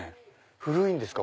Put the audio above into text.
古いんですか？